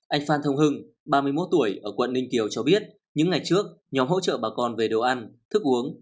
anh phan thông hưng ba mươi một tuổi ở quận ninh kiều cho biết những ngày trước nhóm hỗ trợ bà con về đồ ăn thức uống